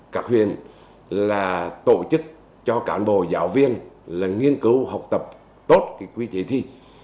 các huyền tổ chức cho cản bộ giáo viên nghiên cứu học tập tốt quy chế thi